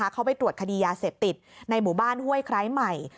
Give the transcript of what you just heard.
เขาไปตรวจคดียาเสพติดในหมู่บ้านห้วยไคร้ใหม่